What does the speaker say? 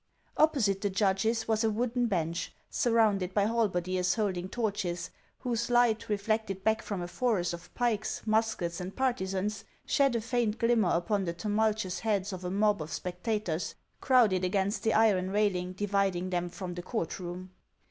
Opposite the judges was a wooden bench, surrounded by halberdiers holding torches, whose light, reflected back from a forest of pikes, muskets, and partisans, shed a faint glimmer upon the tumultuous heads of a mob of spec tators, crowded against the iron railing dividing them from the court room.